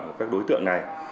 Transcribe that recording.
của các đối tượng này